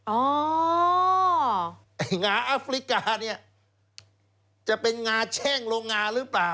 ไอ้งางาอัฟริกานี่จะเป็นงางาแช่งลงงาหรือเปล่า